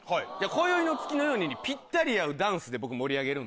『今宵の月のように』にぴったり合うダンスで僕盛り上げるんで。